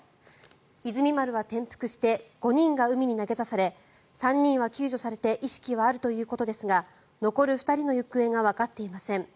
「いずみ丸」は転覆して５人が海に投げ出され３人は救助されて意識はあるということですが残る２人の行方がわかっていません。